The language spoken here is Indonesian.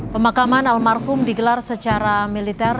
pemakaman almarhum digelar secara militer